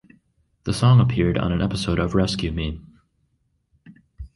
The song appeared on an episode of "Rescue Me".